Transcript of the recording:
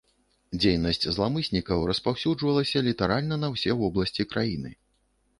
Дзейнасць зламыснікаў распаўсюджвалася літаральна на ўсе вобласці краіны.